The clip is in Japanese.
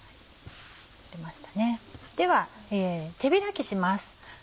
では手開きします。